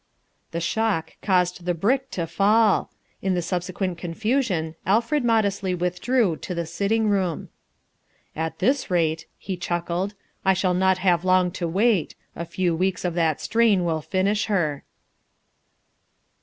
The shock caused the brick to fall. In the subsequent confusion Alfred modestly withdrew to the sitting room. "At this rate," he chuckled, "I shall not have long to wait. A few weeks of that strain will finish her."